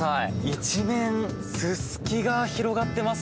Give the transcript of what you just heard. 一面、ススキが広がっています！